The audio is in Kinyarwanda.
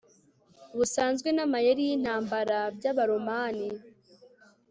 busanzwe n amayeri y' intambara by' abaromani